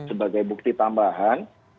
sebagai bukti tambahan